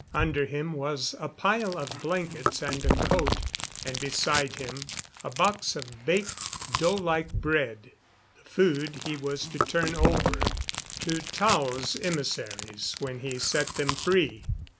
Under him was a pile of blankets and a coat, and beside him a box of baked dough like bread the food he was to turn over to Tao's emissaries when he set them free.